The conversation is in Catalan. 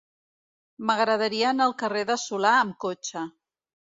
M'agradaria anar al carrer de Solà amb cotxe.